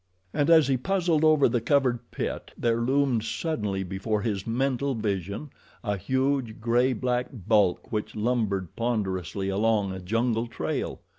And as he puzzled over the covered pit, there loomed suddenly before his mental vision a huge, gray black bulk which lumbered ponderously along a jungle trail.